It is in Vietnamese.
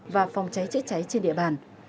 và phòng cháy trễ cháy trên địa bàn